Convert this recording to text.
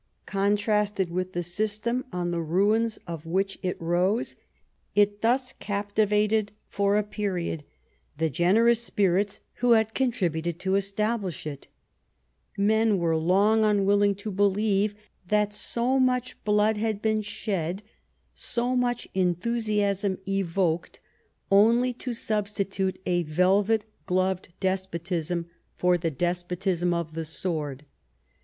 Contrasted with the system on the ruins of which it rose, it thus captivated, for a period, the generous spirits who had contributed to establish it. Men were long unwilling to believe that so much blood had been shed, so much enthusiasm evoked, only to substitute a velvet gloved despotism for the despotism of the sword ; EABLT TBAINING.